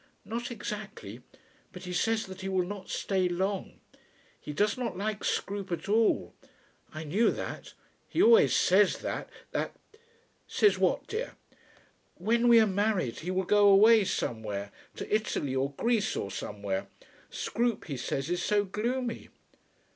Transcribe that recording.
"Not exactly; but he says that he will not stay long. He does not like Scroope at all. I knew that. He always says that, that " "Says what, dear?" "When we are married he will go away somewhere, to Italy or Greece or somewhere. Scroope he says is so gloomy."